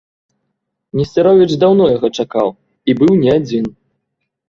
Несцяровіч даўно яго чакаў і быў не адзін.